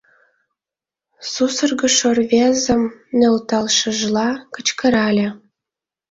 Сусыргышо рвезым нӧлталшыжла, кычкырале: